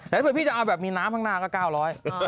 แล้วเผื่อพี่จะเอาแบบมีน้ำข้างหน้าก็๙๐๐บาท